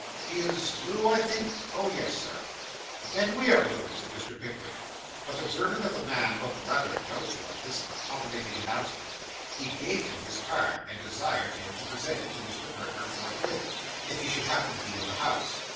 'He is Blue, I think?' 'Oh, yes, Sir.' 'Then we are Blue,' said Mr. Pickwick; but observing that the man looked rather doubtful at this accommodating announcement, he gave him his card, and desired him to present it to Mr. Perker forthwith, if he should happen to be in the house.